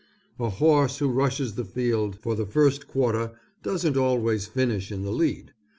A horse who rushes the field for the first quarter doesn't always finish in the lead.